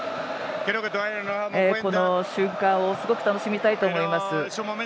この瞬間をすごく楽しみたいと思います。